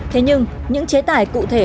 thế nhưng những chế tài cụ thể